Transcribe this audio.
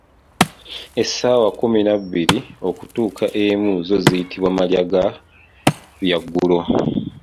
Essaawa kkumi nabbiri okutuuka emu zo ziyitibwa "malya ga byaggulo".